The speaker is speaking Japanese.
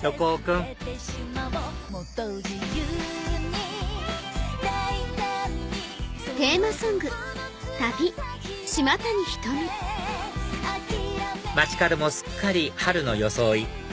君街角もすっかり春の装い